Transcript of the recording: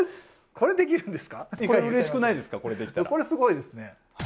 これすごいですね。